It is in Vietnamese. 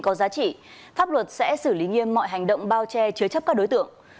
có giá trị pháp luật sẽ xử lý nghiêm mọi hành động bao che chứa chấp các đối tượng